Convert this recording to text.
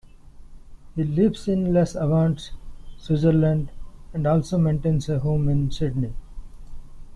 He lives in Les Avants, Switzerland and also maintains a home in Sydney.